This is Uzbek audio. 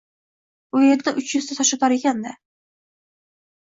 U endi uch yuzta tosh otar ekan-da.